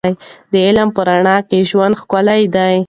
د علم په رڼا کې ژوند ښکلی دی.